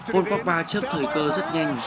pogba trước thời cơ rất nhanh